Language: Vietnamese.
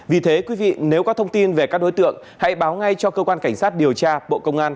vì thế quý vị nếu có thông tin về các đối tượng hãy báo ngay cho cơ quan cảnh sát điều tra bộ công an